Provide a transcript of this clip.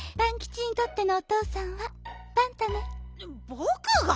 ぼくが？